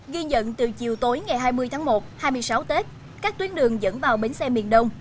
ghi nhận từ chiều tối ngày hai mươi tháng một hai mươi sáu tết các tuyến đường dẫn vào bến xe miền đông